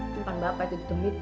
saya menawarkan sesuatu yang hebat